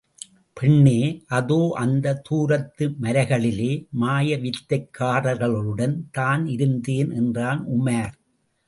பெண்ணே, அதோ அந்த தூரத்து மலைகளிலே, மாயவித்தைக்காரர்களுடன்தான் இருந்தேன் என்றான் உமார்.